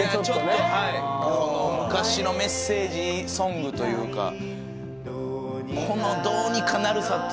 ちょっとはいこの昔のメッセージソングというかどうにかなるさ